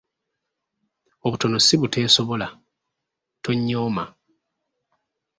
Obutono si buteesobula, tonnyooma.